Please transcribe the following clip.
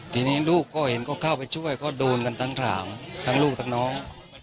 ทีนี้ลูกก็เห็นก็เข้าไปช่วยก็โดนกันทั้งถามทั้งลูกทั้งน้อง